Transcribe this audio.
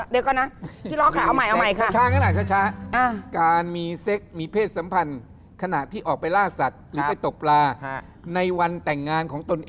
เดี๋ยวก่อนนะ